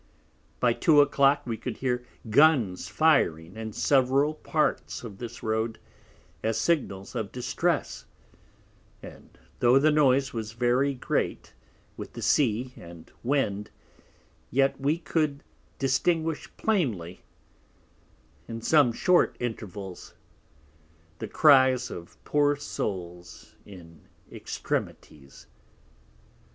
By Two a clock we could hear Guns firing in several Parts of this Road, as Signals of Distress; and tho' the Noise was very great with the Sea and Wind, yet we could distinguish plainly, in some short Intervals, the Cries of poor Souls in Extremities.